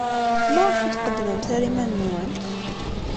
Maɣef ur d-tqeddmemt ara iman-nwent?